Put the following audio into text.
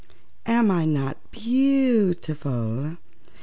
"Am I not beautiful?"